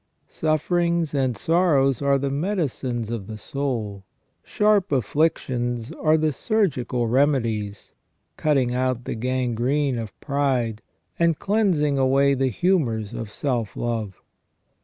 Sufferings and sorrows are the medicines of the soul ; sharp afflictions are the surgical remedies, cutting out the gangrene of pride, and cleansing away the humours of self love.